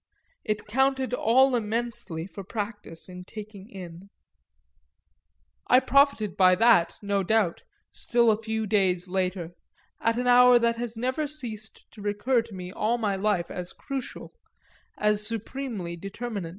It counted all immensely for practice in taking in. I profited by that, no doubt, still a few days later, at an hour that has never ceased to recur to me all my life as crucial, as supremely determinant.